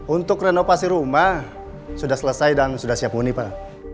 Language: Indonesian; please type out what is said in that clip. untuk renovasi rumah sudah selesai dan sudah siap huni pak